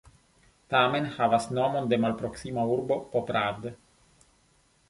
Tamen havas nomon de malproksima urbo Poprad.